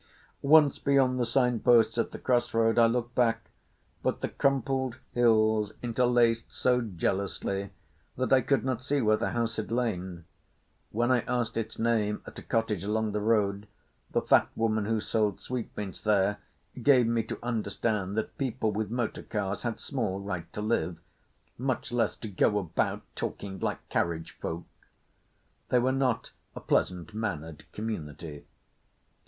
Once beyond the signposts at the cross roads I looked back, but the crumpled hills interlaced so jealously that I could not see where the house had lain. When I asked its name at a cottage along the road, the fat woman who sold sweetmeats there gave me to understand that people with motor cars had small right to live—much less to "go about talking like carriage folk." They were not a pleasant mannered community.